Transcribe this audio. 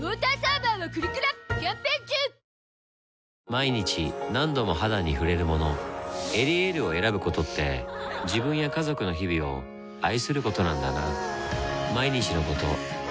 毎日何度も肌に触れるもの「エリエール」を選ぶことって自分や家族の日々を愛することなんだなぁ